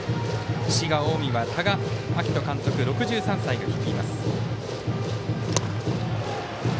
滋賀・近江は多賀章仁監督、６３歳が率います。